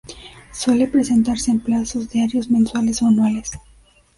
Suele presentarse en plazos diarios, mensuales o anuales.